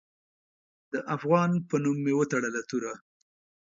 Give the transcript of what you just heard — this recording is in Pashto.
د افغان په نوم مې وتړه توره